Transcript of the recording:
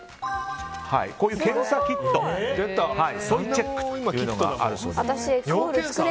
こういう検査キットソイチェックというのがあるそうです。